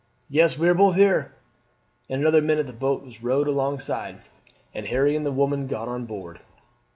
"Yes, we are both here." In another minute the boat was rowed alongside, and Harry and the woman got on board.